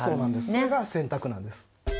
それが洗濯なんです。